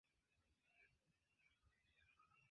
Mi kredas ne.